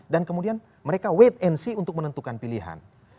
dan kemudian mereka wait and see untuk menentukan pilihan